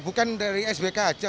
bukan dari sbk saja